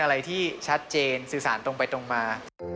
อะไรที่ชัดเจนสื่อสารตรงไปตรงมา